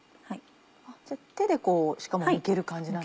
手でこうしかもむける感じなんですね。